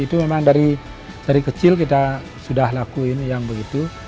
itu memang dari kecil kita sudah lakuin yang begitu